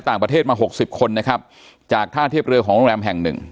ต่างประเทศมาหกสิบคนนะครับจากท่าเทียบเรือของโรงแรมแห่งหนึ่ง